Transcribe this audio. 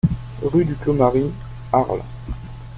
Rue du Clos Marie, Arles